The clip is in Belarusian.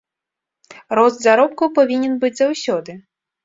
Рост заробкаў павінен быць заўсёды.